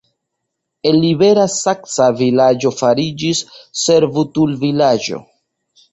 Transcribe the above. El libera saksa vilaĝo fariĝis servutulvilaĝo.